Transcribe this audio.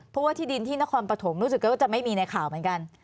เพราะว่าที่ดินที่นครปฐมรู้สึกว่าจะไม่มีในข่าวเหมือนกัน